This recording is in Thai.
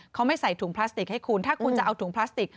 เขาไม่ใส่ถุงพลาสติกให้คุณถ้าคุณจะเอาถุงพลาสติก